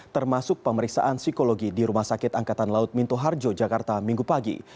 termasuk pemeriksaan psikologi di rumah sakit angkatan laut minto harjo jakarta minggu pagi